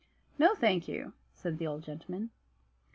"No, thank you," said the old gentleman.